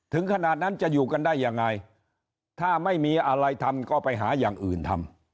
ถึงขนาดนั้นจะอยู่กันได้ยังไงถ้าไม่มีอะไรทำก็ไปหาอย่างอื่นทำ